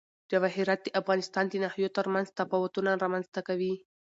جواهرات د افغانستان د ناحیو ترمنځ تفاوتونه رامنځ ته کوي.